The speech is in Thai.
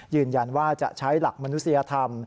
ยืนยันว่าจะใช้หลักมนุษยธรรม